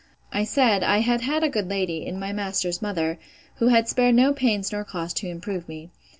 I said, I had had a good lady, in my master's mother, who had spared no pains nor cost to improve me.